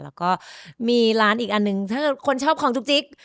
แล้วก็มีร้านอีกอันหนึ่งถ้าเกิดคนชอบของจุ๊กจิ๊ก